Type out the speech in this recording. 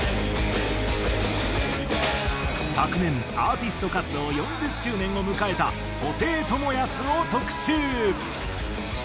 昨年アーティスト活動４０周年を迎えた布袋寅泰を特集。